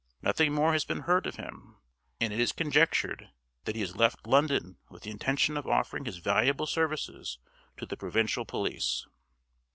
Nothing more has been heard of him; and it is conjectured that he has left London with the intention of offering his valuable services to the provincial police.